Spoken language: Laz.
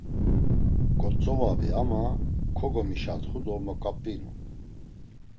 Ǩotzovabi ama kogomişatxu do moǩap̌inu.